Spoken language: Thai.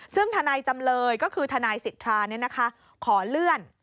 ซึ่งทนายจำเลยก็คือทนายสิทธาขอเลื่อน